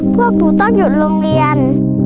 พวกหนูต้องหยุดโรงเรียน